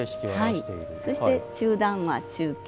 そして中段は中景。